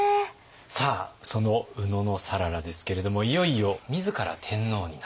さあその野讃良ですけれどもいよいよ自ら天皇になった。